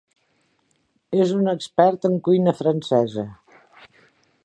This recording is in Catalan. És un expert en cuina francesa.